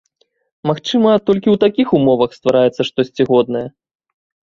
Магчыма, толькі ў такіх умовах ствараецца штосьці годнае?